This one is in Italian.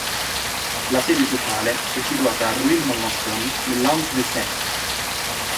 La sede sociale è situata a Rueil-Malmaison nell'Hauts-de-Seine.